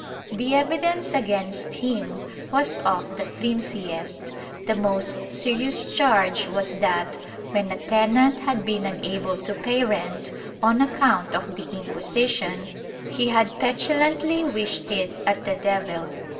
The evidence against him was of the flimsiest; the most serious charge was that, when a tenant had been unable to pay rent on account of the Inquisition, he had petulantly wished it at the devil.